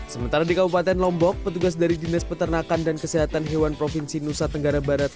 sementara di kabupaten lombok petugas dari dinas peternakan dan kesehatan hewan provinsi nusa tenggara barat